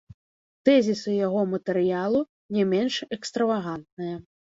Тэзісы яго матэрыялу не менш экстравагантныя.